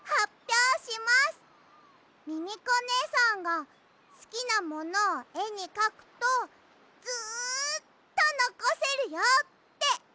ミミコねえさんがすきなものをえにかくとずっとのこせるよっておしえてくれたの。